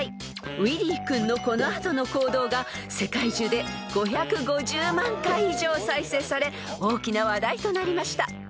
［ウィリー君のこの後の行動が世界中で５５０万回以上再生され大きな話題となりました］